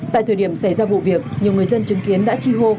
tại thời điểm xảy ra vụ việc nhiều người dân chứng kiến đã chi hô